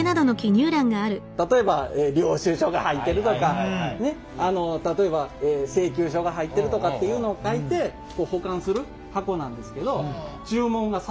例えば領収書が入ってるとか例えば請求書が入ってるとかっていうのを書いて保管する箱なんですけどへえ。